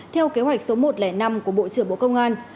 theo kế hoạch số một trăm linh năm của bộ trưởng bộ công an